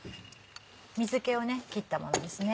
水気を切ったものですね。